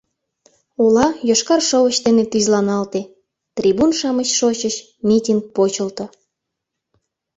Ола йошкар шовыч дене тӱзланалте, трибун-шамыч шочыч, митинг почылто.